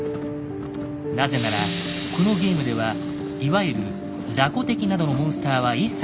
なぜならこのゲームではいわゆるザコ敵などのモンスターは一切出てこない。